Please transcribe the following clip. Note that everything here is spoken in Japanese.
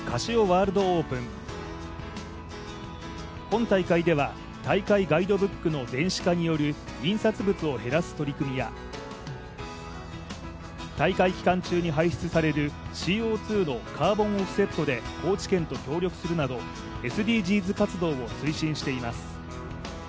本大会では大会ガイドブックの電子化による印刷物を減らす取り組みや大会期間中に排出されるＣＯ２のカーボンオフセットで高知県と協力するなど、ＳＤＧｓ活動を推進しています。